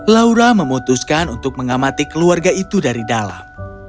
laura memutuskan untuk mengamati keluarga itu dari dalam